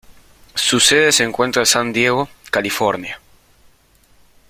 Su sede se encuentra en San Diego, California.